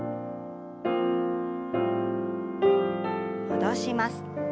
戻します。